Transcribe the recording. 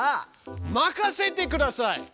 任せてください！